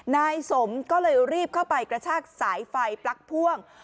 นายสมก็เลยรีบเข้าไปกระชากสายไฟปลั๊กพ่วง